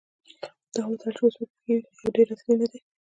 دا هوټل چې اوس موږ په کې یو ډېر عصري نه دی.